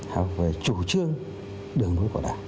học về chủ trương đường núi bảo đảm